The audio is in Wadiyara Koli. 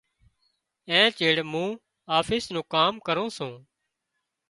اين چيڙ مُون آفيس نُون ڪام ڪرُون سُون۔